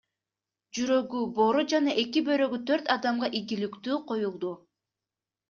Жүрөгү, боору жана эки бөйрөгү төрт адамга ийгиликтүү коюлду.